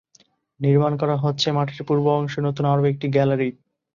নির্মাণ করা হচ্ছে মাঠের পূর্ব অংশে নতুন আরো একটি গ্যালারি।